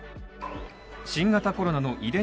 新型コロナの遺伝